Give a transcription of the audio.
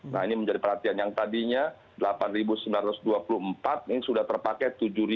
nah ini menjadi perhatian yang tadinya delapan sembilan ratus dua puluh empat ini sudah terpakai tujuh